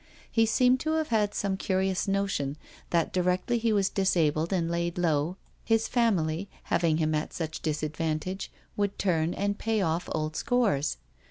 He 296 JOE'S SURRENDER 297 seemed to have had some curious notion that directly he was disabled and laid low, his family, having him at such disadvantage, would turn and pay off old scores.